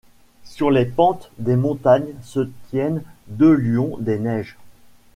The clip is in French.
Sur les pentes des montagnes se tiennent deux lions des neiges.